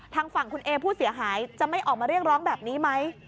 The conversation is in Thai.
ทางฝั่งคุณเอผู้เสียหายจะไม่ออกมาเรียกร้องแบบนี้ไหม